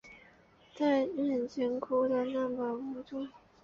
在面前哭的那么无助